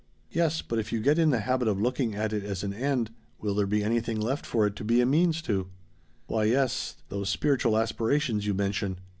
"Yes, but if you get in the habit of looking at it as an end, will there be anything left for it to be a means to?" "Why yes, those spiritual aspirations you mention."